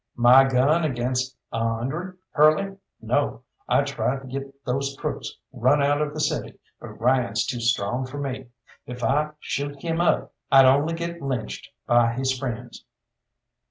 "My gun against a hundred, Curly? No. I tried to get these crooks run out of the city, but Ryan's too strong for me. If I shoot him up I'd only get lynched by his friends."